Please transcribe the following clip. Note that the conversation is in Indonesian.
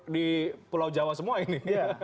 di pulau jawa semua ini